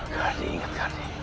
karni ingat karni